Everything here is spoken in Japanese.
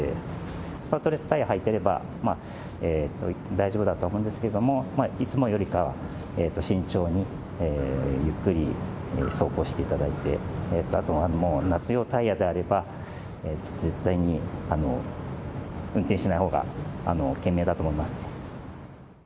スタッドレスタイヤはいてれば大丈夫だとは思うんですけど、いつもよりかは慎重に、ゆっくり走行していただいて、あとはもう夏用タイヤであれば、絶対に運転しないほうが賢明だと思います。